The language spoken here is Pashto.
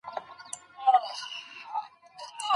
سالم ذهن باور نه کموي.